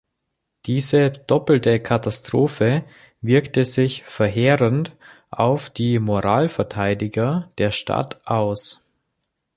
Diese doppelte Katastrophe wirkte sich verheerend auf die Moral Verteidiger der Stadt aus.